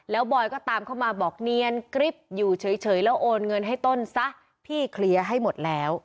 แล้วบอยก็ตามเข้ามาบอกเนียนกริ๊บอยู่เฉยแล้วโอนเงินให้ต้นซะพี่เคลียร์ให้หมดแล้ว